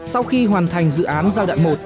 sau khi hoàn thành dự án giai đoạn một